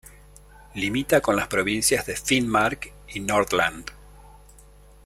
Limita con las provincias de Finnmark y Nordland.